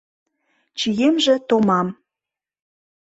Чиемже томам...